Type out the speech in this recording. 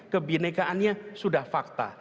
kebinekaannya sudah fakta